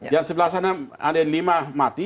yang sebelah sana ada yang lima mati